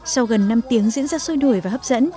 sau gần năm tiếng diễn ra xôi đổi và hấp dẫn